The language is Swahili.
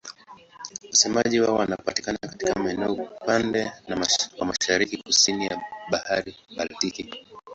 Wasemaji wao wanapatikana katika maeneo upande wa mashariki-kusini ya Bahari Baltiki.